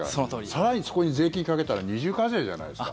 更にそこに税金かけたら二重課税じゃないですか。